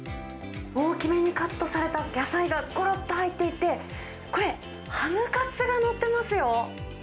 大きめにカットされた野菜がごろっと入っていて、これ、ハムカツが載っていますよ。